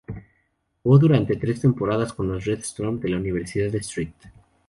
Jugó durante tres temporadas con los "Red Storm" de la Universidad de St.